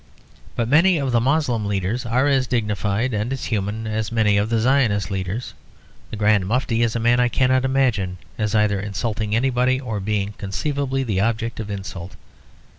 But many of the Moslem leaders are as dignified and human as many of the Zionist leaders; the Grand Mufti is a man I cannot imagine as either insulting anybody, or being conceivably the object of insult.